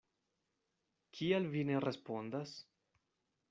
Kial vi ne respondas?